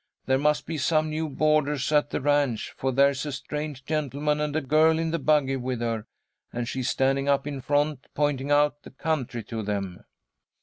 There must be some new boarders at the ranch, for there's a strange gentleman and a girl in the buggy with her, and she's standing up in front pointing out the country to them."